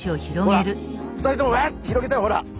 ほら２人ともワッって広げたよほら。